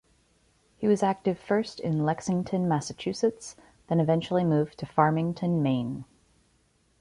He was active first in Lexington, Massachusetts, then eventually moved to Farmington, Maine.